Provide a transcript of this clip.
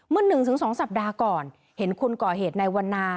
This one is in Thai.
เมื่อหนึ่งถึงสองสัปดาห์ก่อนเห็นคุณก่อเหตุในวันหนา